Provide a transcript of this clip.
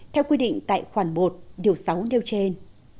theo quy định tại khoản một điều sáu nêu trên